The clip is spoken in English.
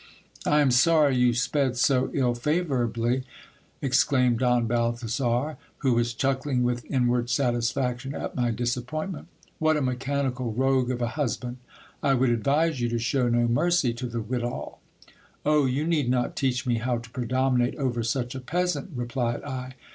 I am sorry you sped so ill favouredly, exclaimed Don Balthazar, who was chuckling with in ward satisfaction at my disappointment. What a mechanical rogue of a hus band ! I would advise you to shew no mercy to the wittol. Oh ! you need not teach me how to predominate over such a peasant, replied I.